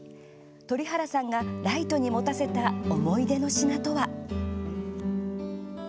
鳥原さんがライトに持たせた思い出の品とは？